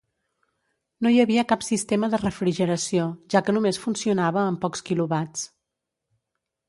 No hi havia cap sistema de refrigeració, ja que només funcionava amb pocs kilowatts.